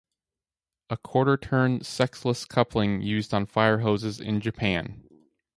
A quarter-turn, sexless coupling used on fire hoses in Japan.